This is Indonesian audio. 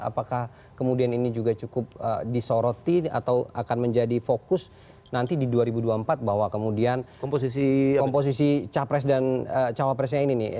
apakah kemudian ini juga cukup disoroti atau akan menjadi fokus nanti di dua ribu dua puluh empat bahwa kemudian komposisi capres dan cawapresnya ini nih